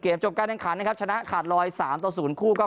เกมจบการแห่งขาดนะครับชนะขาดรอยสามต่อศูนย์คู่ก็